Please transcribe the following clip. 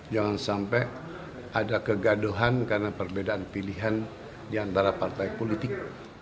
jangan sampai ada kegaduhan karena perbedaan pilihan diantara partai politik